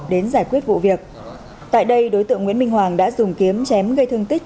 đến giải quyết vụ việc tại đây đối tượng nguyễn minh hoàng đã dùng kiếm chém gây thương tích